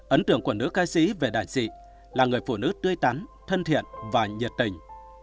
ấn tượng của nữ ca sĩ về đại dị là người phụ nữ tươi tắn thân thiện và nhiệt tình